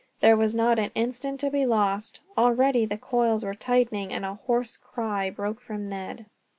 There was not an instant to be lost. Already the coils were tightening, and a hoarse cry broke from Ned.